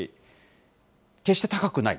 決して高くない。